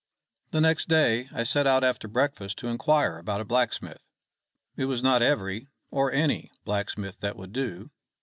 The next day I set out after breakfast to inquire about a blacksmith. It was not every or any blacksmith that would do.